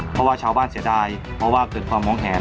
เพราะว่าชาวบ้านเสียดายเพราะว่าเกิดความมองเห็น